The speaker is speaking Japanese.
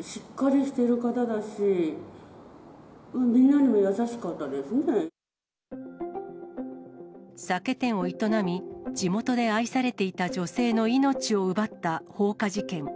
しっかりしている方だし、みんな酒店を営み、地元で愛されていた女性の命を奪った放火事件。